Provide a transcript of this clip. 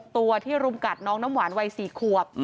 ตัวที่รุมกัดน้องน้ำหวานวัย๔ขวบ